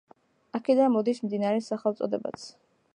აქედან მოდის მდინარის სახელწოდებაც.